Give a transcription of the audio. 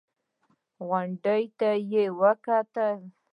غونډۍ ته يې وکتل.